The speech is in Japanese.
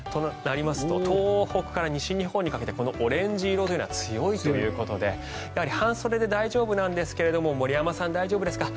東北から西日本にかけてこのオレンジ色というのは強いということでやはり半袖で大丈夫なんですが森山さん、大丈夫ですか。